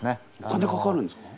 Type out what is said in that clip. お金かかるんですか？